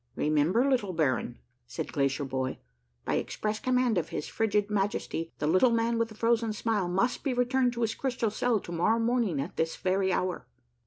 " Remember little baron," said Glacierbhoy, " by express command of his frigid Majesty, the Little Man with the Frozen Smile must be returned to his crystal cell to morrow morning at this very hour."